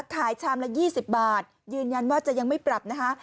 ชามละ๒๐บาทยืนยันว่าจะยังไม่ปรับนะคะ